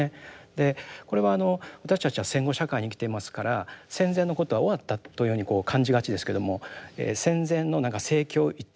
でこれはあの私たちは戦後社会に生きていますから戦前のことは終わったというふうにこう感じがちですけども戦前のなんか政教一致